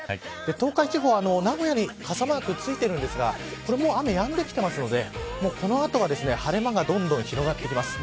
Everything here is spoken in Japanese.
東海地方は、名古屋に傘マークついているんですがこれもう雨やんできているのでこの後、晴れ間がどんどん広がってきます。